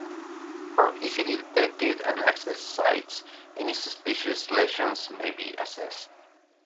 For easily detected and accessed sites, any suspicious lesions may be assessed.